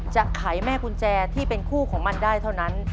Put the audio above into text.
ไขแม่กุญแจที่เป็นคู่ของมันได้เท่านั้น